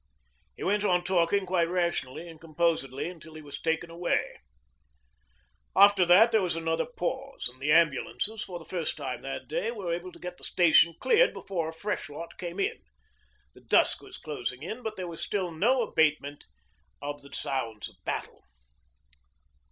He went on talking quite rationally and composedly until he was taken away. After that there was another pause, and the ambulances, for the first time that day, were able to get the station cleared before a fresh lot came in. The dusk was closing in, but there was still no abatement of the sounds of battle.